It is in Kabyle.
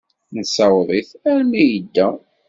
Nessaweḍ-it armi ay yedda.